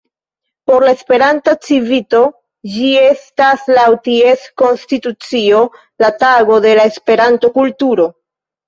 Por la Esperanta Civito ĝi estas laŭ ties konstitucio la Tago de la Esperanto-kulturo.